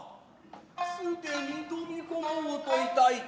既に飛び込もうと致いた。